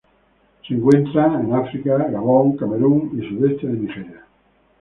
Se encuentran en África: Gabón, Camerún y sudeste de Nigeria.